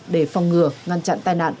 để phòng ngừa ngăn chặn tai nạn